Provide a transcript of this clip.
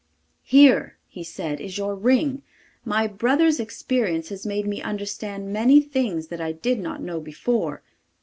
'Here,' he said, 'is your ring. My brother's experience has made me understand many things that I did not know before.